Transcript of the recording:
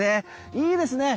いいですね。